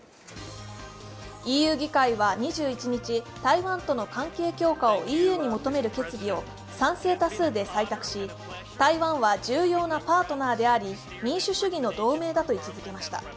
ＥＵ議会は２１日、台湾との関係強化をＥＵに求める決議を賛成多数で採択し、台湾は重要なパートナーであり民主主義の同盟だと位置づけました。